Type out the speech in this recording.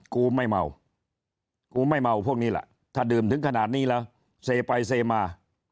กูไม่เมากูไม่เมาพวกนี้ล่ะถ้าดื่มถึงขนาดนี้แล้วเซไปเซมา